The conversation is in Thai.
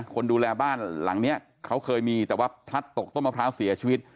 คนดูแลบ้านหลังนี้เขาเคยมีแต่ว่าพลัดตกต้นมะพร้าวเสียชีวิต